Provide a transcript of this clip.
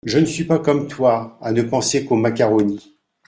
Je ne suis pas comme toi à ne penser qu’au macaroni !